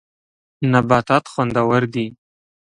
نبات خوندور دی.